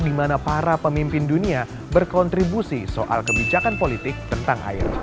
di mana para pemimpin dunia berkontribusi soal kebijakan politik tentang air